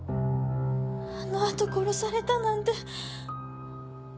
あの後殺されたなんて。